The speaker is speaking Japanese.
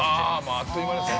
◆あっという間ですね。